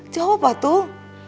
jawab apa tuh